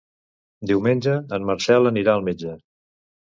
Diumenge en Marcel anirà al metge.